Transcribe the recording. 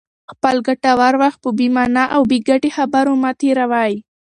خپل ګټور وخت په بې مانا او بې ګټې خبرو مه تېروئ.